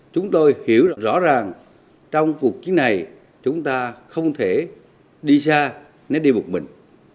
chúng tôi hiểu rõ ràng trong cuộc chiến này chúng ta không thể đi xa nếu đi một mình